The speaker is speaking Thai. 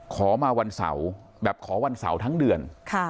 ขอมาวันเสาร์แบบขอวันเสาร์ทั้งเดือน